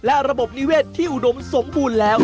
และระบบนิเวศที่อุดมสมบูรณ์แล้ว